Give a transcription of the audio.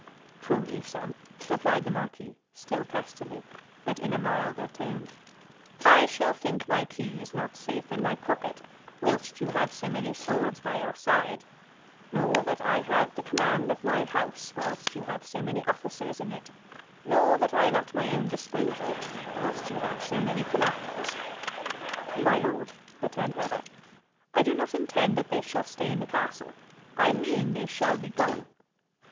'Truly, son,' replied the marquis, still testily, but in a milder tone, 'I shall think my keys not safe in my pocket whilst you have so many swords by your side; nor that I have the command of my house whilst you have so many officers in it; nor that I am at my own disposal, whilst you have so many commanders.' 'My lord,' replied Herbert, 'I do not intend that they shall stay in the castle; I mean they shall be gone.'